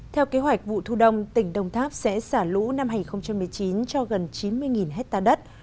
theo kế hoạch vụ thu đông tỉnh đồng tháp sẽ xả lũ năm hai nghìn một mươi chín cho gần chín mươi hectare đất